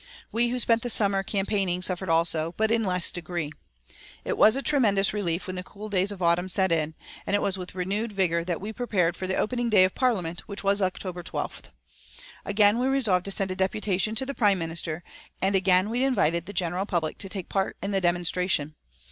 We who spent the summer campaigning suffered also, but in less degree. It was a tremendous relief when the cool days of autumn set in, and it was with renewed vigour that we prepared for the opening day of Parliament, which was October 12th. Again we resolved to send a deputation to the Prime Minister, and again we invited the general public to take part in the demonstration.